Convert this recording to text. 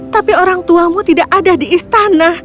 tapi orang tuamu tidak ada di istana